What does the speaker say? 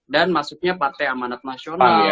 dan masuknya partai amanat nasional